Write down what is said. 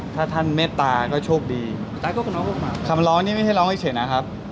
ถ้าท่านเมตตาก็โชคดีคำร้องนี่ไม่ใช่ร้องเฉยนะครับ